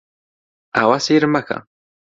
ئاوا سەیرم مەکە!